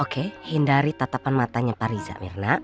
oke hindari tatapan matanya pak rizal